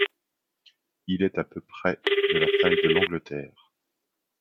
Il est à peu près de la taille de l'Angleterre.